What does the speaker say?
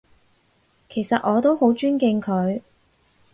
其實我都好尊敬佢